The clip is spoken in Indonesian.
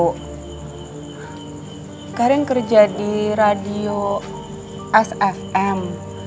tante karin kerja di radio sfm